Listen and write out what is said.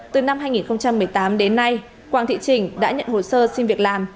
từ năm hai nghìn một mươi tám đến nay quang thị trình đã nhận hồ sơ xin việc làm